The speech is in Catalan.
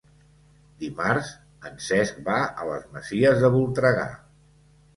Dimarts en Cesc va a les Masies de Voltregà.